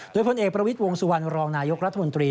โดยพลเอกประวิทย์วงสุวรรณรองนายกรัฐมนตรี